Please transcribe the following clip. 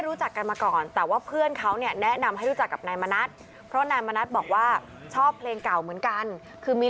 รู้จักกันมาก่อนแต่ว่าเพื่อนเขาเนี่ยแนะนำให้รู้จักกับนายมณัฐเพราะนายมณัฐบอกว่าชอบเพลงเก่าเหมือนกันคือมี